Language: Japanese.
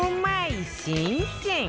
新鮮！